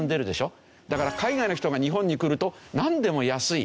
だから海外の人が日本に来るとなんでも安い。